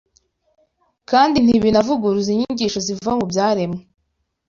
kandi ntibinavuguruza n’inyigisho ziva mu byaremwe